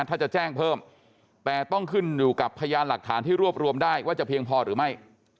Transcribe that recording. ถ้าจะแจ้งเพิ่มแต่ต้องขึ้นอยู่กับพยานหลักฐานที่รวบรวมได้ว่าจะเพียงพอหรือไม่